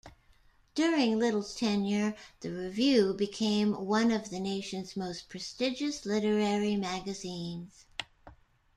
During Lytle's tenure, the "Review" became one of the nation's most prestigious literary magazines.